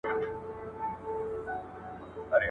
نه باد وهلي يو، نه لمر سوځلي يو.